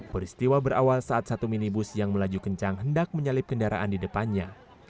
peristiwa berawal saat satu minibus yang melaju kencang hendak menyalip kendaraan di depannya